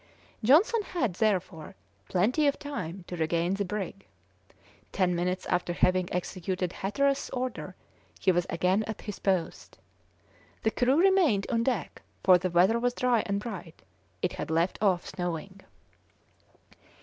Johnson had, therefore, plenty of time to regain the brig; ten minutes after having executed Hatteras's order he was again at his post. The crew remained on deck, for the weather was dry and bright; it had left off snowing.